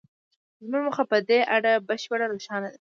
زموږ موخه په دې اړه بشپړه روښانه ده